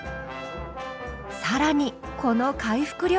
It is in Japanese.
更にこの回復力。